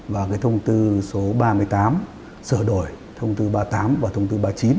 và thông tư số ba mươi tám sửa đổi thông tư ba mươi tám và thông tư ba mươi chín